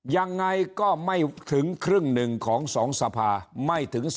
ยังไงก็ไม่ถึงครึ่งหนึ่งของ๒สภาไม่ถึง